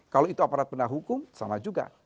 kalau itu aparat benar hukum sama juga